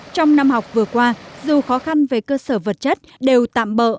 trong năm học vừa qua dù khó khăn về cơ sở vật chất đều tạm bỡ